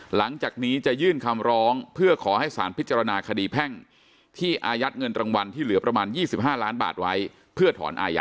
หลังจากนี้จะยื่นคำร้องเพื่อขอให้สารพิจารณาคดีแพ่งที่อายัดเงินรางวัลที่เหลือประมาณ๒๕ล้านบาทไว้เพื่อถอนอายัด